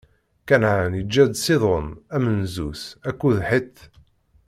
Kanɛan iǧǧa-d Ṣidun, amenzu-s, akked Ḥit.